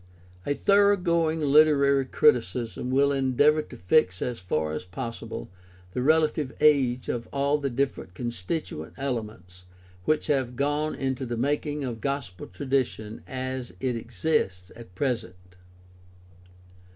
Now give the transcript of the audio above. A thoroughgoing literary criticism will endeavor to fix as far as possible the relative age of all the different constituent ele ments which have gone into the making of gospel tradition as it exists at present.